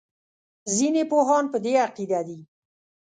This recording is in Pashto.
ځینې پوهان په دې عقیده دي.